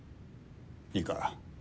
いいか？